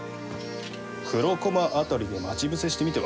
黒駒辺りで待ち伏せしてみては？